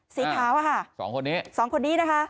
เสียเท้าอ่ะค่ะสองคนนี้สองคนนี้นะคะ